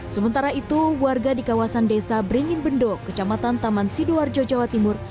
sementara itu warga di kawasan desa beringin bendok kecamatan taman sidoarjo jawa timur